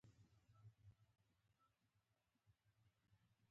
موږ بیا سټپني ته د ګیلډر کارخانې ته لاړو.